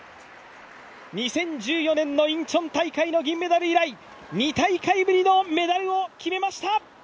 ２０１４年のインチョン大会の銀メダル以来、２大会ぶりのメダルを決めました。